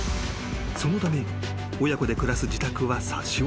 ［そのため親子で暮らす自宅は差し押さえに］